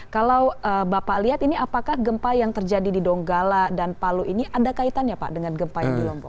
kalau bapak lihat ini apakah gempa yang terjadi di donggala dan palu ini ada kaitannya pak dengan gempa yang di lombok